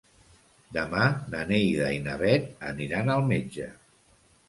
Demà na Neida i na Bet aniran al metge.